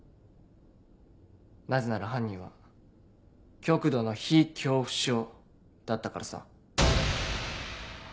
なぜなら犯人は極度の火恐怖症だったからさ。